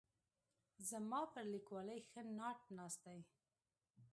زما پر لیکوالۍ ښه ناټ ناست دی.